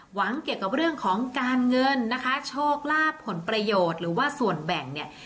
หวังเกี่ยวกับเรื่องของการเงินนะคะโชคลาภผลประโยชน์หรือว่าส่วนแบ่งเนี่ย